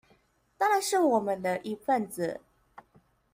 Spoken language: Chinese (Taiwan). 當然是我們的一分子